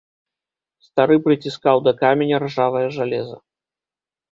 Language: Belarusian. Стары прыціскаў да каменя ржавае жалеза.